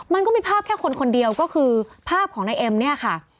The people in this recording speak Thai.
มันก็มีภาพแค่คนคนเดียวก็คือภาพของนายเอ็มเนี่ยค่ะ